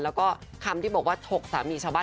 แล้วก็คำที่บอกว่าฉกสามีชาวบ้าน